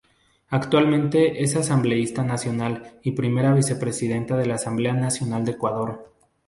Actualmente es Asambleísta Nacional y Primera Vicepresidenta de la Asamblea Nacional del Ecuador.